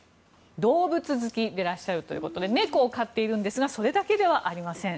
動物好きでいらっしゃるということで猫を飼っているんですがそれだけではありません。